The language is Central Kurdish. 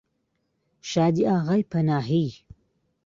شادی ئاغای پەناهی